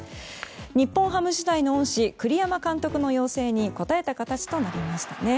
日本ハム時代の恩師栗山監督の要請に応えた形となりましたね。